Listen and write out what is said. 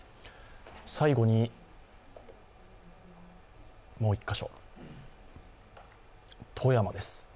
最後にもう１カ所、富山です。